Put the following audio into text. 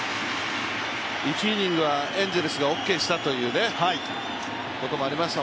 １イニングはエンゼルスがオーケーしたということもありました